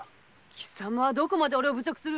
貴様はどこまで俺を侮辱する。